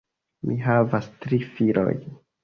Mi havas tri filojn.